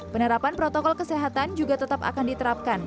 penerapan protokol kesehatan juga tetap akan diterapkan